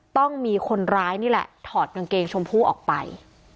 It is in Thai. ต้องมีคนร้ายนี่แหละถอดกางเกงชมพู่ออกไป